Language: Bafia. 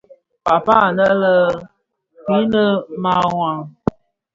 Paapaa anë lè Krine mawar.